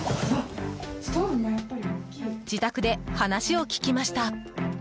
自宅で話を聞きました。